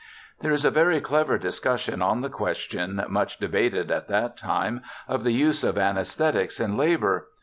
There is a very clever discussion on the question, much debated at that time, of the use of anaesthetics in labour.